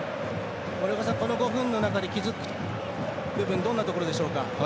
この５分の中で気付く部分どんなところでしょうか？